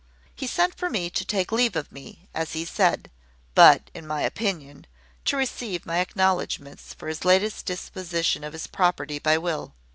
He sent for me to take leave of me, as he said; but, in my opinion, to receive my acknowledgments for his latest disposition of his property by will.